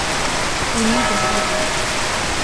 We need the seal hunt.